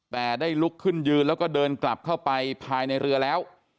แต่ได้ลุกขึ้นยืนแล้วก็เดินกลับเข้าไปภายในเรือแล้ว